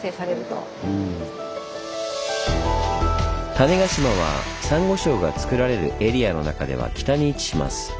種子島はサンゴ礁がつくられるエリアの中では北に位置します。